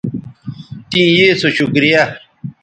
تیں یے سو شکریہ